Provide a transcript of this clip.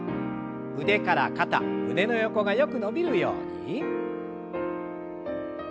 腕から肩胸の横がよく伸びるように。